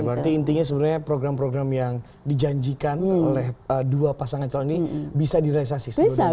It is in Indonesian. oke berarti intinya sebenarnya program program yang dijanjikan oleh dua pasangan celana ini bisa direalisasi sebenarnya ya